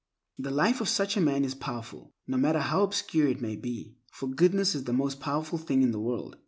The life of such a man is powerful, no matter how obscure it may be, for goodness is the most powerful thing in the world.